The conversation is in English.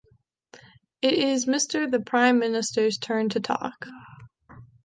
It is Mr the Prime Minister’s turn to talk.